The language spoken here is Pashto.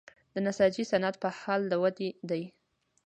د نساجي صنعت په حال د ودې دی